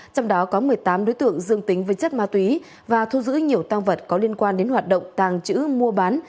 trong đó có một mươi tám đối tượng dương tính với chất ma túy và thu giữ nhiều tăng vật có liên quan đến hoạt động tàng trữ mua bán